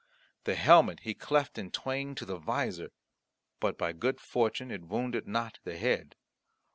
The helmet he cleft in twain to the visor; but by good fortune it wounded not the head.